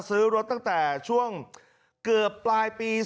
ซื้อรถตั้งแต่ช่วงเกือบปลายปี๒๕